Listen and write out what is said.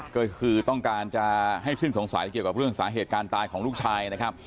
ก็คือต้องการจะให้สิ้นสงสัยเกี่ยวกับเรื่องสาเหตุการณ์ตายของลูกชายนะครับ